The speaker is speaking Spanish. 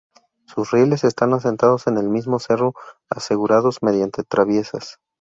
Sus rieles están asentados en el mismo cerro, asegurados mediante traviesas.